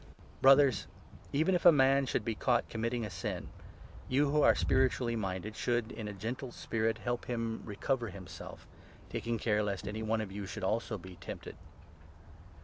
Brothers, even if a man should be i caught committing a sin, you who are spiritually minded should, in a gentle spirit, help him to recover himself, taking care lest any one of you also should be tempted.